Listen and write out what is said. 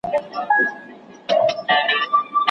د څو شېبو لپاره